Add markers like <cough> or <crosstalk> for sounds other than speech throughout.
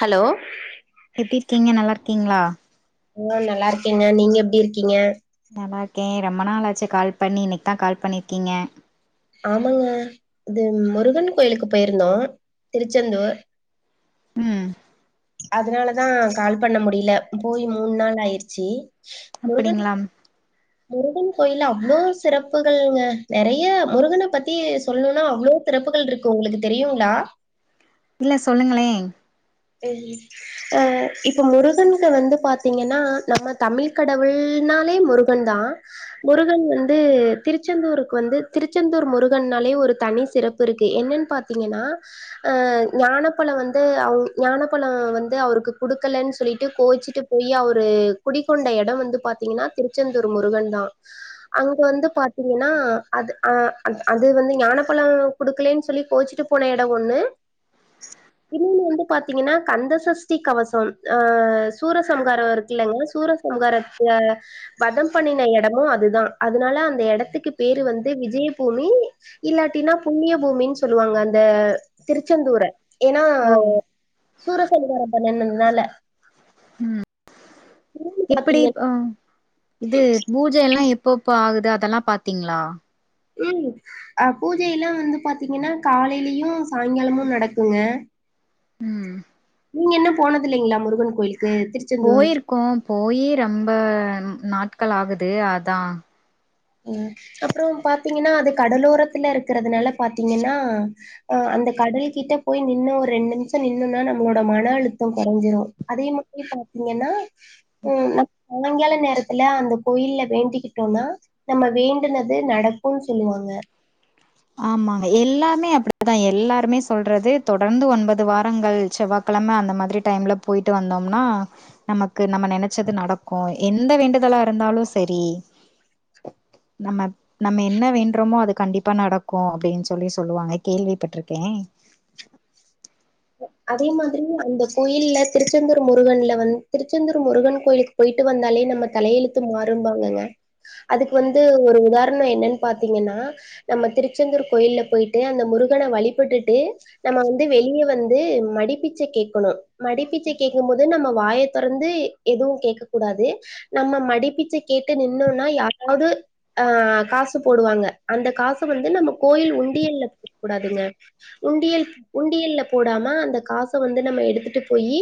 Hello எப்டி இருக்கீங்க நல்லா இருக்கீங்ளா ஆ நல்லா இருக்கேங்க நீங்க எப்டி இருக்கீங்க நல்லா இருக்கே ரொம்ப நாள் ஆச்சு கால் பண்ணி இன்னைக்கு தா கால் பண்ணிருக்கீங்க ஆமாங்க இது முருகன் கோயிலுக்கு போயிருந்தோ திருச்செந்தூர் ம் அதனாலதா கால் பண்ண முடில போய் மூணு நாள் ஆய்ருச்சி அப்டிங்களாம் முருகன் கோயில்ல அவ்ளோ சிறப்புகள்ங்க நெறைய முருகன பத்தி சொல்னுனா அவ்ளோ சிறப்புகள் இருக்கு உங்ளுக்கு தெரியுங்ளா இல்ல சொல்லுங்ளே ம் ஆ இப்ப முருகன்ட வந்து பாத்தீங்கன்னா நம்ம தமிழ் கடவுள்னாலே முரு கன் தா முருகன் வந்து திருச்செந்தூருக்கு வந்து திருச்செந்தூர் முருகன்னாலே ஒரு தனி சிறப் இருக்கு என்னன்னு பாத்தீங்கன்னா அ ஞானப்பழம் வந்து அவுங் ஞானப்பழம் வந்து அவருக்கு குடுக்கலன்னு சொல்லிட்டு கோச்சிட்டு போய் அவரு குடிக்கொண்ட எடம் வந்து பாத்திங்கன்னா திருச்செந்தூர் முருகன் தா அங்க வந்து பாத்தீங்கன்னா அது அ அத் அது வந்து ஞானப்பழ குடுக்கலேன்னு சொல்லி கோச்சிட்டு போன எட ஒன்னு இன்னொன்னு வந்து பாத்தீங்கன்னா கந்தசஷ்டி கவசம் அ சூரசம்ஹாரம் இருக்குல்லங்க சூரசம்ஹாரத்த வதம் பண்ணின எடமு அதுதா அதனால அந்த எடத்துக்கு பேரு வந்து விஜயபூமி இல்லாட்டினா புண்ணிய பூமின்னு சொல்லுவாங்க அந்த திருச்செந்தூர ஏன்னா ஓ சூரசம்ஹாரம் பண்ணுனதுனால எப்பிடி பாத்தீங்க அ இது பூஜ எல்லா எப்பப்ப ஆகுது அதெல்லா பாத்தீங்ளா ம் அண பூஜை எல்லா வந்து பாத்தீங்கன்னா காலைலயு சாய்ங்காலமு நடக்குங்க ம் நீங்க இன்னு போனது இல்லைங்களா முருகன் கோயிலுக்கு திரு போயிருக்கோ போயி ரொம்ப நாட்கள் ஆகுது அதா ம் அப்றோ பாத்தீங்கன்னா அது கடலோரத்துல இருக்குறதுனால பாத்தீங்கன்னா அ அந்த கடல்கிட்ட போய் நின்னு ஒரு ரெண்டு நிம்ஷ நின்னோன்னா நம்மளோட மன அழுத்த கொறஞ்சிரு அதே மாரி பா த்திங்கன்னா ம் நம்ம சாயங்கால நேரத்துல அந்த கோயில்ல வேண்டிக்கிட்டோனா நம்ம வேண்டுனது நடக்குனு சொல்லுவாங்க ஆமாங்க எல்லாமே அப்டிதா எல்லாருமே சொல்றது தொடர்ந்து ஒன்பது வாரங்கள் செவ்வா கெழம அந்த மாதிரி டைம்ல போய்ட்டு வந்தோம்னா நமக்கு நம்ம நெனச்சது நடக்கு எந்த வேண்டுதலா இருந்தாலு சரி நம்ம நம்ம என்ன வேண்ட்ரோமோ அது கண்டிப்பா நடக் கு அப்டின்னு சொல்லி சொல்லுவாங்க கேள்விப்பட்ருக்கே அதே மாதிரி அந்த கோயில்ல திருச்செந்தூர் முருகன்ல வந்து திருச்செந்தூர் முருகன் கோயிலுக் போயிட்டு வந்தாலே நம்ம தலையெழுத்து மாறும்பாங்கங்க அதுக்கு வந்து ஒரு உதாரண என்னன்னு பாத்தீங்கன்னா நம்ம திருச்செந்தூர் கோயில்ல போயிட்டு அந்த முருகன வழிபட்டுட்டு நம்ம வந்து வெளிய வந் து மடிப்பிச்ச கேக்கணு மடிப்பிச்சை கேக்கும் போது நம்ம வாய தொறந்து எதுவு கேக்க கூடாது நம்ம மடிப்பிச்ச கேட்டு நின்னோனா யாராது அ காசு போடுவாங்க அந்த காச வந்து நம்ம கோயில் உண்டியல்ல போடக் கூடாதுங்க உண்டியல் உண்டியல்ல போடாம அந்த காச வந்து நம்ம எடுத்துட்டு போயி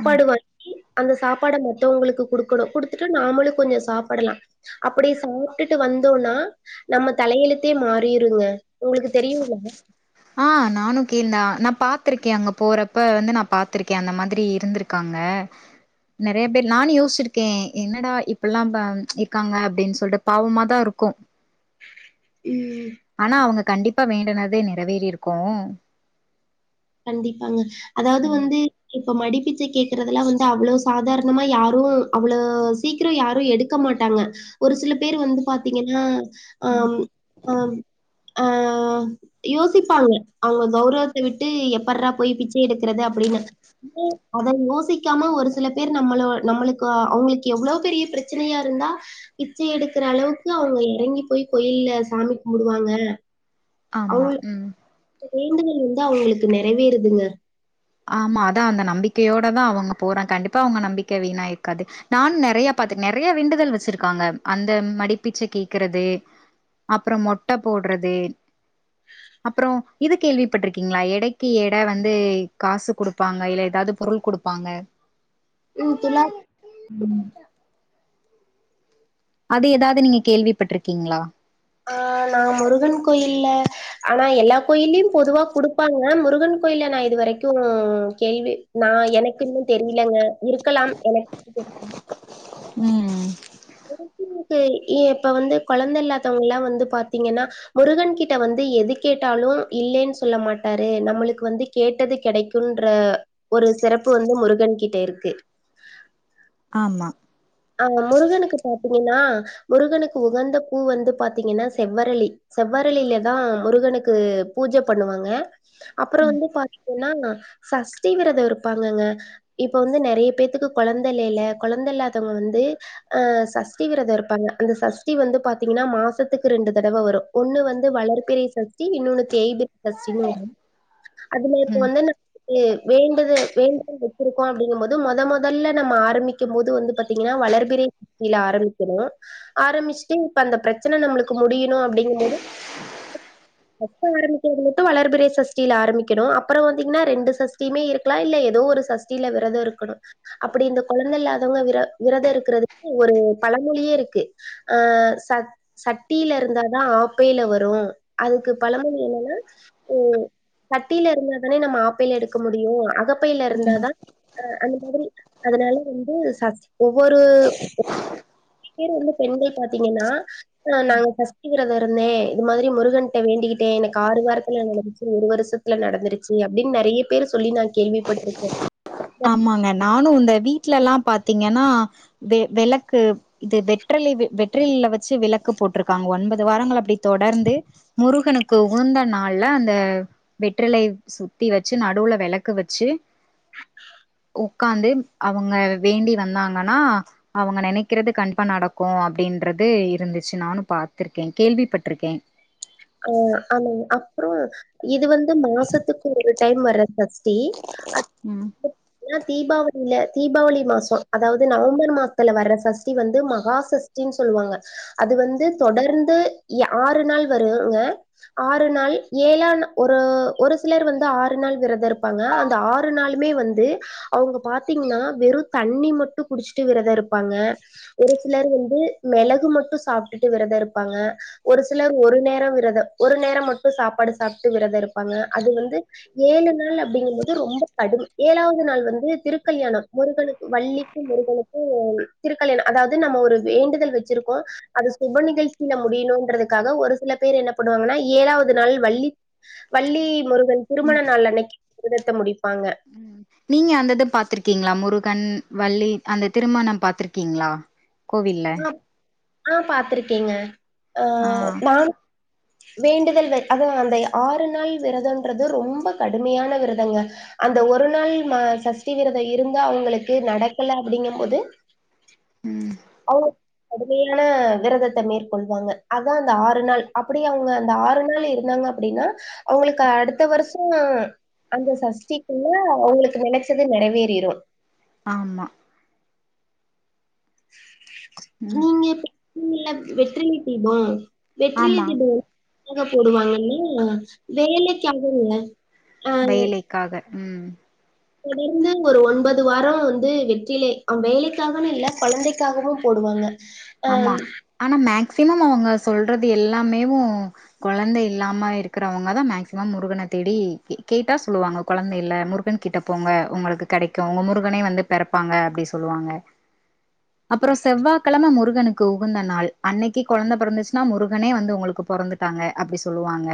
ம் வாங்கி அந்த சாப்பாட மத்தவங்களுக்கு குடுக்கணு குடுத்துட்டு நாமளு கொஞ்ச சாப்படலா அப்டி சாப்ட்டுட்டு வந்தோனா நம்ம தலையெழுத்தே மாறிருங்க உங்களுக்கு தெரியுங்களா ஆ நானு கே ந்தா நா பாத்திருக்கே அங்க போறப்ப வந்து நா பாத்துருக்கே அந்த மாதிரி இருந்திருக் காங்க நெறைய பேர் நானு யோச்சிருக்கே என்னடா இப்பில்லா ப இருக்காங்க அப்டின் சொல்ட்டு பாவமா தா இருக்கு ம் ஆனா அவங்க கண்டிப்பா வேண்டுனதே நெறவேறிருக்கு கண்டிப்பாங்க அதாவது வந்து இப்ப மடிப்பிச்ச கேக்குறதுல வந்து அவ்வளோ சாதாரணமா யாரு அவ்வளோ சீக்ர யாரு எடுக் இருக்க மாட்டாங்க ஒரு சில பேர் வந்து பாத்தீங்கன்னா அம் அம் ஆஆஆ யோசிப்பாங்க அவுங்க கௌரவத்த விட்டு ட்டு எப்பறா போயி பிச்ச எடுக்குறது அப்டின்னு ந்து அத யோசிக்காம ஒரு சில பேர் நம்மளவெ நம்மளுக்கு அவங்ளுக் எவ்வளவ் பெரிய ப்ரச்சனையா இருந்தா பிச்ச எடுக்குற அளவுக்கு அவுங்க இறங்கி போயி கோயில்ல சாமி கும்புடுவாங்க ஆம்மா உம் வேண்டுதல் வந்து அவங்ளுக்கு நெறவேறுதுங்க ஆம்மா அதா அந்த நம்பிக்கையோட தா அவுங்க போறன் கண்டிப்பா அவங்க நம்பிக்கை வீணாயிருக்காது நானு நெறையா பாத்தே நெறையா வேண்டுதல் வெச்சிருக்காங்க அந்த மடிப்பிச்ச கேக்குறது அப்றம் மொட்ட போட்றது அப்றோ இது கேள்விப்பட்டிருக்கீங்ளா எடைக்கு எட வந்து காசு குடுப்பாங்க இல்ல ஏதாது பொருள் குடுப்பாங்க <unintelligible> அது ஏதாது நீங்க கேள்விப்பட்ருக்கீங்ளா ஆ நா முருகன் கோயில்ல ஆனா எல்லா கோயிலையு பொதுவா குடுப்பாங்க முருகன் கோயில நா இது வரைக்கு கேள்வி நா எனக்குன்னு தெரியலங்க இருக்கலா எனக் <inaudible> ம்ம் திருத்தணிக்கு இப்ப வந்து கொழந்த இல்லாதவங்ல்லா வந்து பாத்தீங்கனா முருகன் கிட்ட வந்து எது கேட்டாலு இல்லேன் சொல்ல மாட்டாரு நம்ளுக்கு வந்து கேட்டது கெடைக்குன்ற ஒரு சிறப்பு வந்து முருகன் கிட்ட இருக்கு ஆம்மா அ முருகனுக்கு பாத்தீங்கனா முருகனுக்கு உகந்த பூ வந்து பாத்தீங்கனா செவ்வரலி செவ்வறிலில தா முருகனுக்கு பூஜ பண்ணுவாங்க அப்றோ வந்து பாத்தீங்கன்னா சஷ்டி விரதோ இருப்பாங்கங்க இப்ப வந்து நெறைய பேத்துக்கு கொழந்தை இல்லைல கொழந்தை இல்லாத தவங்க வந்து அஹ சஷ்டி விரதோ இருப்பாங்க அந்த சஷ்டி வந்து பாத்தீங்கனா மாசத்துக்கு ரெண்டு தடவ வரு ஒன்னு வந்து வளர்பிரை சஷ்டி இன்னோன்னு தேய்பிறை சஷ்டினு வரும் அதுல இப்ப ம். வந்து வேண்டுத வேண்டுதல் வெச்சிருக்கோ அப்டிங்கும்போது மொத மொதல்ல நம்ம ஆரம்பிக்கும் போது வந்து ப த்தீங்னா வளர்பிறை சஷ்டில ஆரம்பிக்கணு ஆரம்பிச்ட்டு இப்ப அந்த ப்ரச்சன நம்ளுக்கு முடியணு அப்டிங்கும்போது பஸ்ட் ஆரம்பிக்கிறது மட்டு வளர்பிறை சஷ்டில ஆரம்பிக்கணு அப்றோ வந்தீங்னா ரெண்டு சஷ்டியுமே இருக்கலா இல்ல ஏதோ ஒரு சஷ்டி சஷ்டில விரதோ இருக்கணு அப்டி இந்த கொழந்த இல்லாதவங்க விர விரத இருக்கறதுக்கு ஒரு பழமொழியே இருக்கு ஆ சஷ் சட்டில இருந்தா தா ஆப்பைல வரு அதுக்கு பழமொழி என்னன்னா சட்டில இருந்தா தானே நம்ம ஆப்பைல எடுக்க முடியு அகப்பைல ம் இருந்தாதா ஆ அந்த மாரி அதனால வந்து சஷ்டி நறைய பேர் வந்து பெண்கள் பாத்திங்கன்னா ஆ நாங்க சஷ்டி விரதோ இருந்தே இது மாதிரி முருகன்ட வேண்டிக்கிட்டே எனக்கு ஆறு வாரத்துல நடந்துச்சு ஒரு வருஷத் ல நடந்துருச்சு அப்டின்னு நெறைய பேரு சொல்லி நா கேள்விப்பட்ருக்கே ஆமாங்க நானு இந்த வீட்லல்லா பாத்திங்கன்னா வெ வெளக்கு இது வெற்றிலை வெற்றிலைல வச்சு விளக்கு போட்ருக்காங்க ஒன்பது வாரங்கள் அப்டி தொடர்ந்து முருகனுக்கு உகந்த நாள்ல அந்த வெற்றிலை சுத்தி வெச்சு நடுல வெளக்கு வெச்சு உக்காந்து அவங்க வேண்டி வந்தாங்கனா அவங்க நெனைக்கிறது கண்டிப்பா நடக்கு அப்டின்றது இருந்துச்சு நானு பாத்ருக்கே கேள்விப்பட்ருக்கே ஆஹ ஆன அப்றோ இது வந்து மாசத்துக்கு ஒரு டைம் வர்ற சஷ்டி ம் ஆனா தீபாவளில தீபாவளி மாசோ அதாவ்து நவம்பர் மாசத்துல வர்ற சஷ்டி வந்து மகா சஷ் டின் சொல்வாங்க அது வந்து தொடர்ந்து யா ஆறு நாள் வருங்க ஆறு நாள் ஏழா ஒரு ஒரு சிலர் வந்து ஆறு நாள் விரதோ இருப்பாங்க அந்த ஆறு நாளுமே வந்து அவுங்க பாத்திங்ன்னா வெறு தண்ணி மட்டு குடிச்ட்டு விரதோ இருப்பாங்க ஒரு சிலர் வந்து மெளகு மட்டு சாப்ட்டுட்டு விரதோ இருப்பாங்க ஒரு சிலர் ஒரு ஒரு நேரோ விரதோ ஒரு நேரோ மட்டு சாப்பாடு சாப்ட்டு விரதோ இருப்பாங்க அது வந்து ஏழு நாள் அப்டிங்கும்போது ரொம்ப கடும் ஏழாவது நாள் வந்து திருக்கல்யாணம் முருகனுக்கு வள்ளி முருகனுக்கு திருக்கல்யாணோ அதாவ்து நம்ம ஒரு வேண்டுதல் வச்சிருக்கோ அது சுப நிகழ்ச்சில முடியணுன்றதுக்காக ஒரு சில பேர் என்ன பண்ணுவாங்கன்னா ஏழாவது நாள் வள்ளி வள்ளி முருகன் திருமண நாள் அன்னைக்கி விரதத்த முடிப்பாங்க நீங்க அந்தத பாத்ருக்கீங்ளா முருகன் வள்ளி அந்த திருமணம் பாத்ருக்கீங்ளா கோவில்ல ஆ ஆ பாத்ருக்கேங்க ஆ நான் வேண்டுதல் வ அத அந்த ஆறு நாள் விரதோன்றது ரொம்ப கடுமையான விரதங்க அந்த ஒரு நாள் ம சஷ்டி விரதோ இருந்து அவுங்களுக்கு நடக்கல அப்டிங்க போது ம் அவுரு கடுமையான விரதத்த மேற்கொள்வாங்க அதா அந்த ஆறு நாள் அப்டி அவுங்க அந்த ஆறு நாள் இருந்தாங்க அப்டின்னா அவுங்களுக்கு அடுத்த வர்ஷோ அந்த சஷ்டி குள்ள அவுங்களுக்கு நெனச்சது நெறவேறிரு ஆமா ம் நீங்க எப் நீங்கல்லா வெற்றிலை தீபோ வெற்றிலை ஆமா தீபோ எங்க போடுவாங்கன்னே வேலைக்காகங்க வேலைக்காக ம் தொடர்ந்து ஒரு ஒன்பது வாரோ வந்து வெற்றிலை அவ் வேலைக்காகன்னு இல்ல கொழந்தைக் காகவு போடுவாங்க அ ஆமா ஆனா மேக்சிமம் அவுங்க சொல்றது எல்லாமேவு கொழந்தை இல்லாம இருக்குறவங்கதா மேக்சிமம் முருகன தேடி கேட்டா சொல்லுவாங்க கொழந்த இல்ல முருகன் கிட்ட போங்க உங்களுக்கு கெடைக்கு உங்க முருகனே வந்து பெறப்பாங்க அப்டி சொல்வாங்க அப்றோ செவ்வாகெழம முருக னுக்கு உகந்த நாள் அன்னைக்கு கொழந்த பெறந்துச்ன்னா முருகனே வந்து உங்களுக்கு பொறந்துட்டாங்க அப்டி சொல்லுவாங்க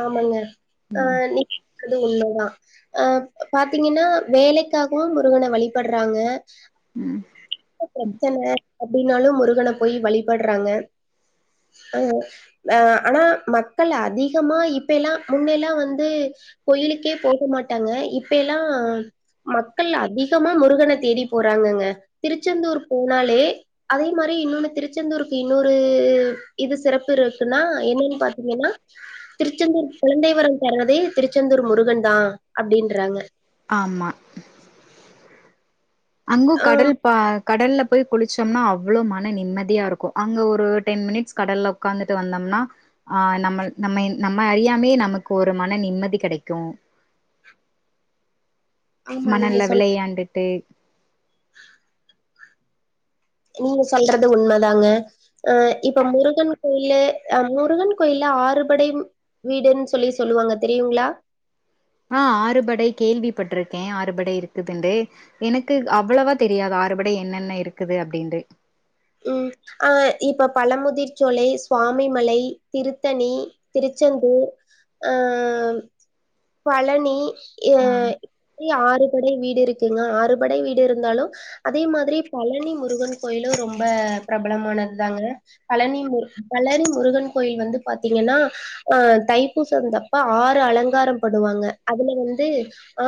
ஆமாங்க அ னிக் அது உண்ம தா அ பாத்தீங்கன்னா வேலக்காகவு முருகன வழிபடுறாங்க இப்ப பிரெச்சன அப்டினாலு முருகன போய் வழிபடுறாங்க அ அ ஆனா மக்கள் அதி கமா இப்ப எல்லா முன்னெல்லா வந்து கோயிலுக்கே போக மாட்டாங்க இப்பே எல்லா மக்கள் அதிகமா முருகன தேடி போறாங்கங்க திருச்செந்தூர் போனாலே அதே மாரி இன்னொன்னு திருச்செந்தூருக்கு இன்னொரு இது சிறப்பு இருக்குன்னா என்னன்னு பாத்தீங்கனா திருச்செந்தூர் குழந்தைவரோ தருவதே திருச்செந்தூர் முருகன் தா அப்டின்றாங்க ஆமா அங்கு கடல் ஆம் இப்ப கடல்ல போய் குளிச்சோம்னா அவ்ளோ மன நிம்மதியா இருக்கு அங்க ஒரு டென் மினிட்ஸ் கடல்ல உக்காந்துட்டு வந்தோம்னா ஆ நம்மல் நம்ம நம்ம அறியாமயே நமக்கு ஒரு மன நிம்மதி கெடைக்கு ஆமா நீங்க மணல்ல சொல் விளையாண்டுட்டு நீங்க சொல்றது உண்மதாங்க அ இப்ப முருகன் கோயிலு அ முருகன் கோயில்ல ஆறுபடை ம் வீடுன்னு சொல்லி சொல்லுவாங்க தெரியுங்களா ஆ ஆறுபடை கேள்விப்பட்டிருக்கே ஆறுபடை இருக்குதுண்டு எனக்கு அவ்வளவா தெரியாது ஆறுபடை என்னென்ன இருக்குது அப்டின்டு ம் ஆ இப்ப பழமுதிர்ச்சோலை சுவாமிமலை திருத்தணி திருச்செந்தூர் அஹ் பழனி ஏ ஆ இப்பயு ஆறு படை வீடு இருக்குங்க ஆறுபடை வீடு இருந்தாலு அதே மாதிரி பழனி முருகன் கோயிலு ரொம் ப பிரபலமானது தாங்க பழனி மு பழனி முருகன் கோயில் வந்து பாத்தீங்கன்னா அ தைப்பூச வந்தப்ப ஆறு அலங்காரோ பண்ணுவாங்க அதுல வந்து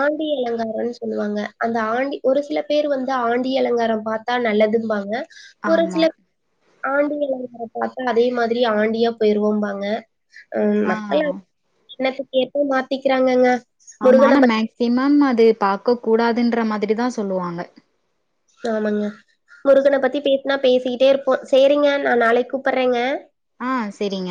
ஆண்டி அலங்காரனு சொல்லுவாங்க அந்த ஆண்டி ஒரு சில பேர் வந்து ஆண்டி அலங்காரம் பாத் தா நல்லதுன்பாங்க ஒரு ஆமா சிலர் ஆண்டி அலங்கர பாத்தா அதே மாதிரி ஆண்டியா போயிருவோபாங்க அ ஆ மக்கள எண்ணத்துக்கேப்ப மாத்திக்கிறாங்கங்க ஆமா ஆனா முருகன மேக்சிமம் அது பாக்க கூடாதுன்ற மாதிரிதா சொல்லுவாங்க ஆமாங்க முருகன பத்தி பேசினா பேசிக்கிட்டே இருப்போ செரிங்க நா நாளைக்கு கூப்டுறேங்க ஆ செரிங்க